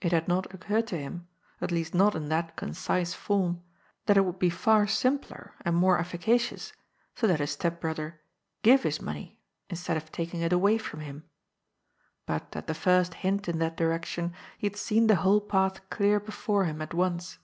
It had not occurred to him, at least not in that concise form, that it would be far simpler and more efficacious to let his step brother give his money, instead of taking it away from him. But at the first hint in that direction, he had seen the whole path clear before him at once.